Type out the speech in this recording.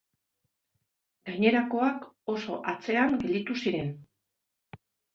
Gainerakoak oso atzean gelditu ziren.